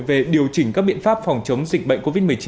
về điều chỉnh các biện pháp phòng chống dịch bệnh covid một mươi chín